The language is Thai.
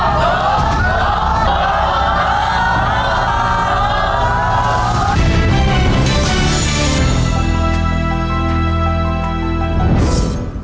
โฆษ์โฆษ์โฆษ์